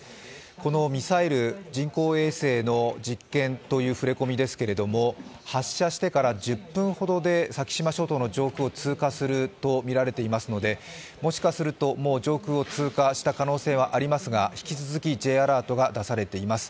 このミサイル、人工衛星の実験という触れ込みですけれども、発射してから１０分ほどで先島諸島の上空を通過するとみられていますので、もしかするともう上空を通過した可能性もありますが引き続きＪアラートが出されています。